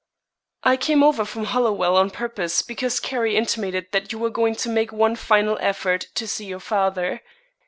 "I came over from Hollowell on purpose, because Carrie intimated that you were going to make one final effort to see your father.